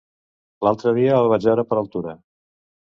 L'altre dia el vaig veure per Altura.